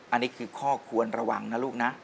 อันนี้คือข้อควรระวังนะลูกนะ